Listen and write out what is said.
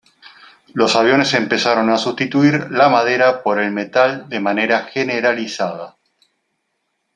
Los aviones empezaron a sustituir la madera por el metal de manera generalizada.